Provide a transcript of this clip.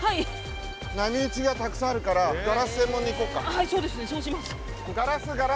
はいそうですねそうします。